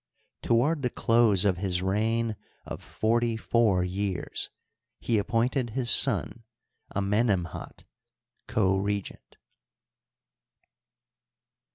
Toward the close of his reign of forty four years he appointed his son, Ame nemhat, co regent.